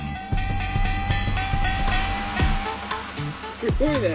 すごいね。